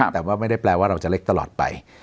แต่ว่าไม่ได้แปลว่าเราจะเล็กตลอดไป